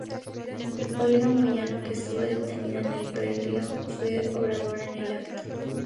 Olga Moyano, que estuvo detenida en el predio, fue oradora en el acto.